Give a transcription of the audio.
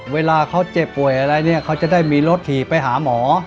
เวลาเขาเจ็บป่วยอะไรเนี่ยเขาจะได้มีรถขี่ไปหาหมอ